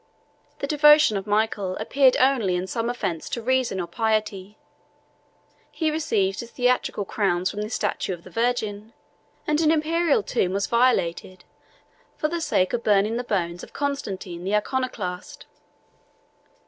The devotion of Michael appeared only in some offence to reason or piety: he received his theatrical crowns from the statue of the Virgin; and an Imperial tomb was violated for the sake of burning the bones of Constantine the Iconoclast.